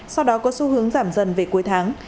sau đó có xu hướng giảm dần về cuối tháng